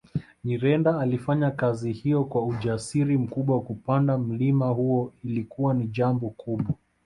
Nyirenda alifanya kazi hiyo kwa ujasiri mkubwa kupanda mlima huo ilikuwa ni jambo kubwa